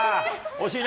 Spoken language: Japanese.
惜しい！